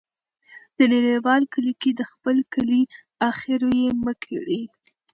په نړیوال کلي کې د خپل کلی ، اخر یې مه کړې.